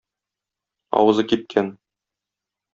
Авызы кипкән.